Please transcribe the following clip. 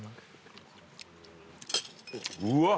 うわ！